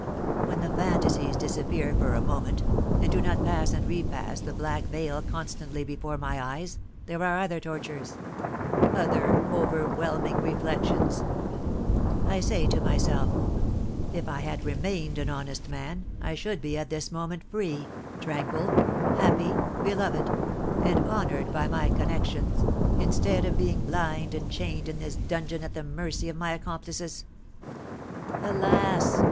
When the fantasies disappear for a moment, and do not pass and repass the black veil constantly before my eyes, there are other tortures, other overwhelming reflections. I say to myself, 'If I had remained an honest man, I should be at this moment free, tranquil, happy, beloved, and honoured by my connections, instead of being blind and chained in this dungeon at the mercy of my accomplices.' Alas!